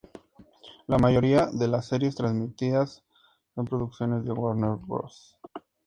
La mayoría de las series transmitidas son producciones de Warner Bros.